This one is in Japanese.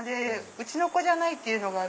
うちの子じゃないっていうのが。